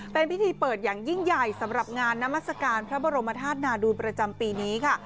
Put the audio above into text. เป็นพิธีเปิดอย่างยิ่งใหญ่สำหรับงานนามัศกาลพระบรมธาตุนาดูลประจำปีนี้ค่ะ